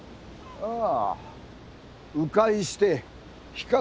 ああ。